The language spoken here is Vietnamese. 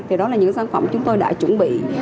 thì đó là những sản phẩm chúng tôi đã chuẩn bị